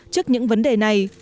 trước những vấn đề này